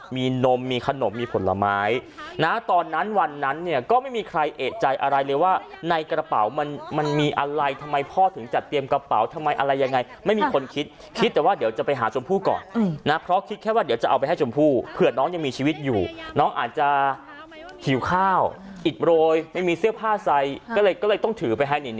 มีนมมีขนมมีผลไม้นะตอนนั้นวันนั้นเนี่ยก็ไม่มีใครเอกใจอะไรเลยว่าในกระเป๋ามันมันมีอะไรทำไมพ่อถึงจัดเตรียมกระเป๋าทำไมอะไรยังไงไม่มีคนคิดคิดแต่ว่าเดี๋ยวจะไปหาชมพู่ก่อนนะเพราะคิดแค่ว่าเดี๋ยวจะเอาไปให้ชมพู่เผื่อน้องยังมีชีวิตอยู่น้องอาจจะหิวข้าวอิดโรยไม่มีเสื้อผ้าใส่ก็เลยต้องถือไปให้